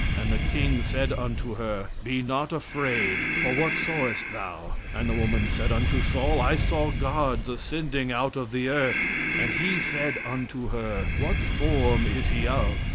"And the king said unto her, Be not afraid; for what sawest thou? And the woman said unto Saul, I saw gods ascending out of the earth. "And he said unto her, What form is he of?